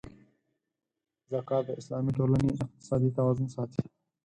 زکات د اسلامي ټولنې اقتصادي توازن ساتي.